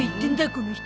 この人。